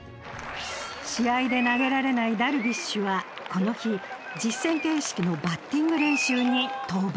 試合で投げられないダルビッシュはこの日実戦形式のバッティング練習に登板。